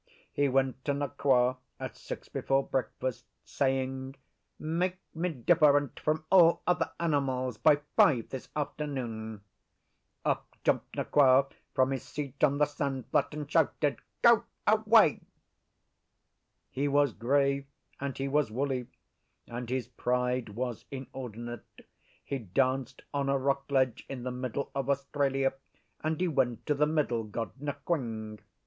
He went to Nqa at six before breakfast, saying, 'Make me different from all other animals by five this afternoon.' Up jumped Nqa from his seat on the sandflat and shouted, 'Go away!' He was grey and he was woolly, and his pride was inordinate: he danced on a rock ledge in the middle of Australia, and he went to the Middle God Nquing.